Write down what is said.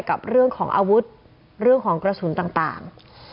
กับเรื่องของอาวุธเรื่องของกระสุนต่าง